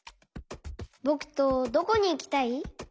ぼくとどこにいきたい？